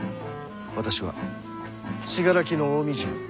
私は信楽の近江路を。